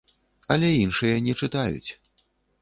Але іншыя не чытаюць.